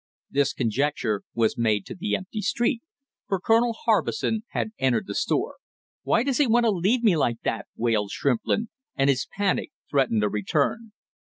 This conjecture was made to the empty street, for Colonel Harbison had entered the store. "Why does he want to leave me like that!" wailed Shrimplin, and his panic threatened a return.